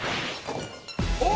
おっ。